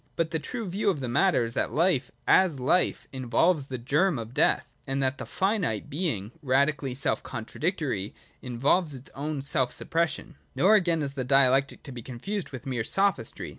But the true view of the matter is that life, as life, involves the germ of death, and that the finite, being radically self contradictory, involves its own self suppression. Nor, again, is Dialectic to be confounded with mere Sophistry.